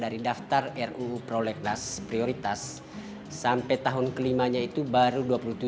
dari daftar ruu prolegnas prioritas sampai tahun kelimanya itu baru dua puluh tujuh